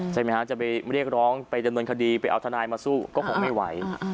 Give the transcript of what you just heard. ใช่ไหมฮะจะไปเรียกร้องไปดำเนินคดีไปเอาทนายมาสู้ก็คงไม่ไหว